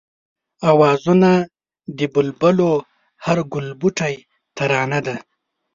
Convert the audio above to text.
آوازونه د بلبلو هر گلبوټی ترانه ده